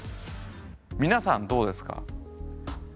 皆さんどうですか？